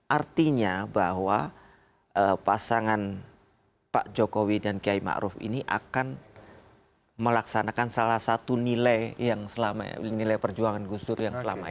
artinya bahwa pasangan pak jokowi dan kiai ⁇ maruf ⁇ ini akan melaksanakan salah satu nilai yang selama ini nilai perjuangan gus dur yang selama ini